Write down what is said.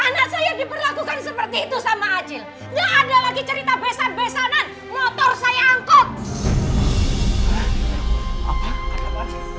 anak saya diperlakukan seperti itu sama acil